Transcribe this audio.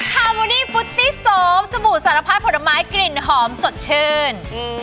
โมนี่ฟุตตี้สมสบู่สารพัดผลไม้กลิ่นหอมสดชื่น